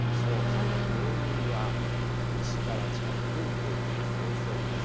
その原因は、西から近づく低気圧、前線です。